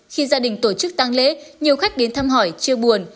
khi gia đình tổ chức tăng lễ nhiều khách đến thăm hỏi chia buồn